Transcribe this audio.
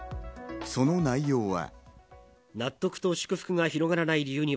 その内容は。